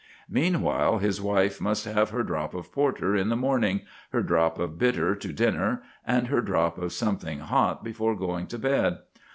Meanwhile, his wife must have her drop of porter in the morning, her drop of bitter to dinner, and her drop of something hot before going to bed.